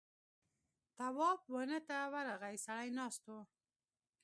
تواب ونه ته ورغی سړی ناست و.